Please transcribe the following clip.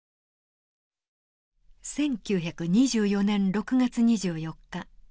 １９２４年６月２４日。